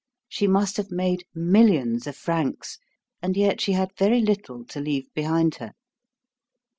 She must have made millions of francs, and yet she had very little to leave behind her.